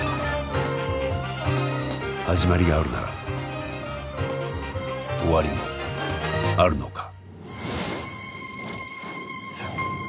始まりがあるなら終わりもあるのか？